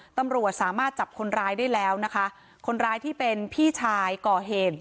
ตำรวจสามารถจับคนร้ายได้แล้วนะคะคนร้ายที่เป็นพี่ชายก่อเหตุ